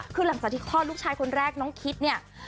คือหลังจากที่คลอดลูกชายคนแรกน้องคิดเนี่ย